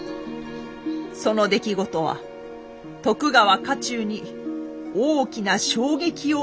その出来事は徳川家中に大きな衝撃を与えました。